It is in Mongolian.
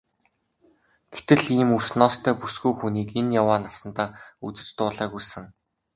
Гэтэл ийм үс ноостой бүсгүй хүнийг энэ яваа насандаа үзэж дуулаагүй сэн.